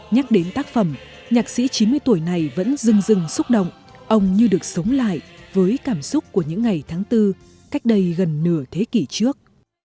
nhắc đến tác phẩm nhạc sĩ chín mươi tuổi này vẫn dưng dưng xúc động ông như được sống lại với cảm xúc của những ngày tháng bốn cách đây gần nửa thế kỷ trước